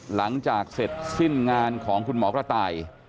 หลังจากเสร็จสิ้นงานของคุณหมอกระต่าย